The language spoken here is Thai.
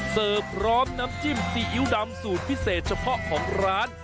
พร้อมน้ำจิ้มซีอิ๊วดำสูตรพิเศษเฉพาะของร้าน